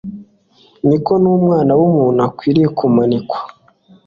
niko n'Umwana w'umuntu akwiriye kumanikwa;